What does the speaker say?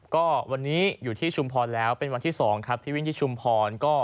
ก็วันนี้อยู่ที่ชุมพรแล้วเป็นวันที่๒ครับที่วิ่งที่ชุมพร